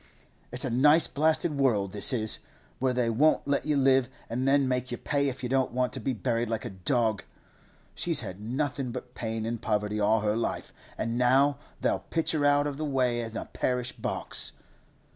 It's a nice blasted world, this is, where they won't let you live, and then make you pay if you don't want to be buried like a dog! She's had nothing but pain and poverty all her life, and now they'll pitch her out of the way in a parish box.